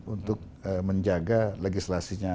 untuk menjaga legislasinya